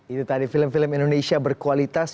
itu tadi film film indonesia berkualitas